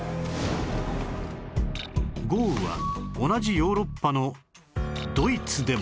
豪雨は同じヨーロッパのドイツでも